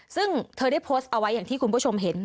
ซึ่งเธอได้โพสต์เอาไว้อย่างที่คุณผู้ชมเห็น